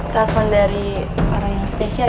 telepon dari orang yang spesial ya tan